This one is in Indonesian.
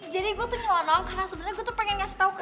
jadi gue tuh ngorong karena sebenernya gue tuh pengen kasih tau ke